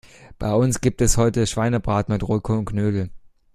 Bei uns gibt es heute Schweinebraten mit Rotkohl und Knödel.